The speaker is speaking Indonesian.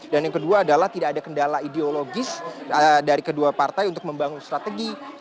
dan yang kedua adalah tidak ada kendala ideologis dari kedua partai untuk membangun strategi